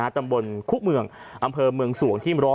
ตำบลคุเมืองอำเภอเมืองสวงที่๑๐